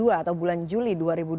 atau bulan juli dua ribu dua puluh